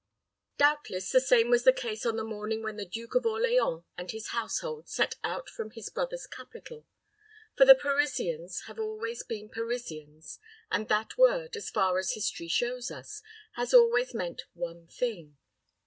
Doubtless the same was the case on the morning when the Duke of Orleans and his household set out from his brother's capital; for the Parisians have always been Parisians, and that word, as far as history shows us, has always meant one thing.